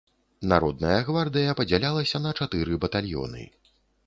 Народная гвардыя падзялялася на чатыры батальёны.